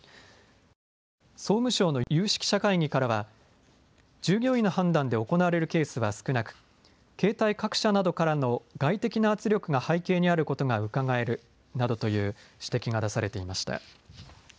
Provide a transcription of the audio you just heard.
総務省の有識者会議からは従業員の判断で行われるケースは少なく携帯各社などからの外的な圧力が背景にあることがうかがえるなどという指摘が出されていました。